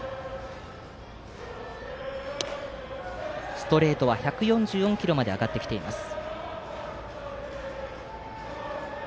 ストレートは１４４キロまで上がってきています。